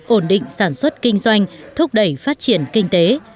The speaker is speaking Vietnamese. ổn định sản xuất kinh doanh thúc đẩy phát triển kinh tế